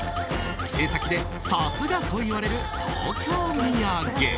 帰省先でさすが！と言われる東京土産。